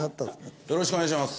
よろしくお願いします。